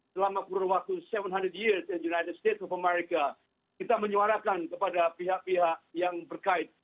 selama kurun waktu tujuh ratus tahun di amerika kita menyuarakan kepada pihak pihak yang berkait